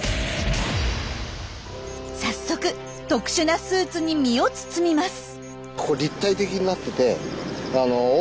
早速特殊なスーツに身を包みます。